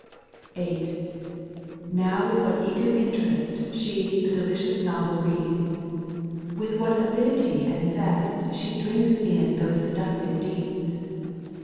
VIII. ^ Now with what eager interest She the delicious novel reads, With what avidity and zest"^ She drinks in those seductive deeds